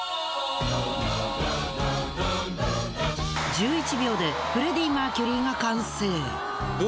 １１秒でフレディ・マーキュリーが完成。